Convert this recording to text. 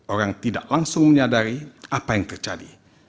orang tidak langsung menyadari apa yang terjadi